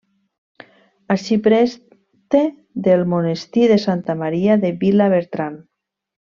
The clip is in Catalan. Arxipreste del Monestir de Santa Maria de Vilabertran.